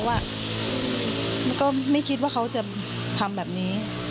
ว่าก็ไม่คิดว่าเขาจะทำแบบนี้